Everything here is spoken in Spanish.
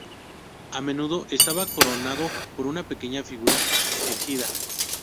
A menudo estaba coronado por una pequeña figura erguida.